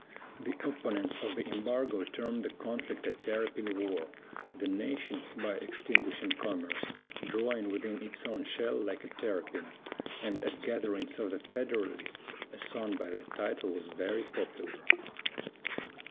The opponents of the embargo termed the conflict a "terrapin war," the nation, by extinguishing commerce, drawing within its own shell like a terrapin; and at gatherings of the Federalists, a song by that title was very popular.